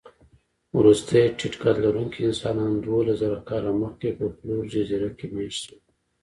وروستي ټيټقدلرونکي انسانان دوولسزره کاله مخکې په فلور جزیره کې مېشته شول.